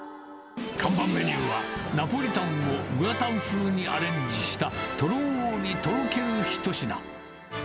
看板メニューは、ナポリタンをグラタン風にアレンジしたとろーりとろける一品。